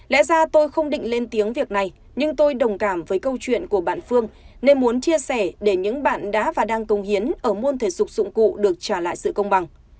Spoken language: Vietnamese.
lẽ ra tôi không định lên tiếng việc này nhưng tôi đồng cảm với câu chuyện của bạn phương nên muốn chia sẻ để những bạn đã và đang công hiến ở môn thể dục dụng cụ được trả lại sự công bằng